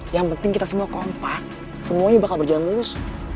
yang penting kita semua kompak semuanya bakal berjalan mulus